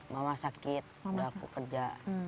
mama sakit aku kerja